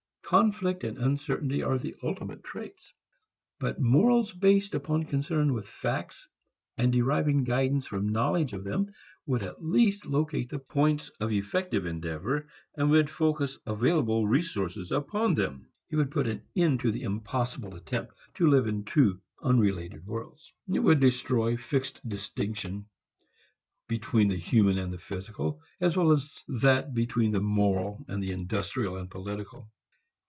Conflict and uncertainty are ultimate traits. But morals based upon concern with facts and deriving guidance from knowledge of them would at least locate the points of effective endeavor and would focus available resources upon them. It would put an end to the impossible attempt to live in two unrelated worlds. It would destroy fixed distinction between the human and the physical, as well as that between the moral and the industrial and political.